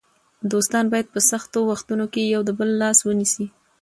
دوستان باید په سختو وختونو کې د یو بل لاس ونیسي.